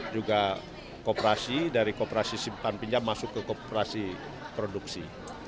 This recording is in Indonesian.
juga kooperasi dari kooperasi simpan pinjam masuk ke kooperasi produksi